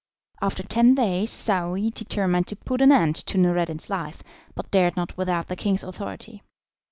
After ten days Saouy determined to put an end to Noureddin's life, but dared not without the king's authority.